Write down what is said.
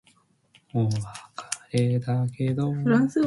Tirmoyig̃h-e mũyishtes̃h ki vec̃hen et zemistones̃h cheremd.